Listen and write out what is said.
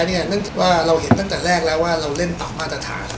เนื่องจากว่าเราเห็นตั้งแต่แรกแล้วว่าเราเล่นตามมาตรฐาน